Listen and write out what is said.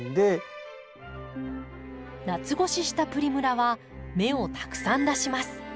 夏越ししたプリムラは芽をたくさん出します。